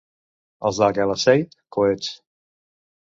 Els de Calaceit, coets.